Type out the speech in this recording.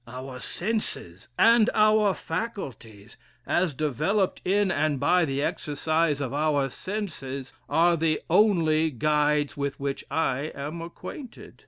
"Our senses and our faculties as developed in and by the exercise of our senses, are the only guides with which I am acquainted.